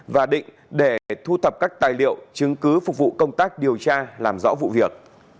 và định để thu thập các tài liệu chứng cứ phục vụ công tác điều tra làm rõ vụ việc